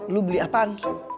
lu beli apaan